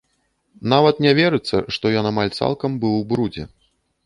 Нават не верыцца, што ён амаль цалкам быў у брудзе.